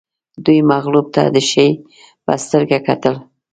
دوی مغلوب ته د شي په سترګه کتل